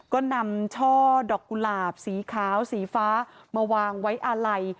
ก็นำช่อดอกกุหลาบสีขาวสีฟ้ามาวางไว้อาลัย